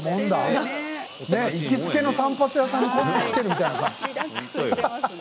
行きつけの散髪屋さんに来ているみたいな。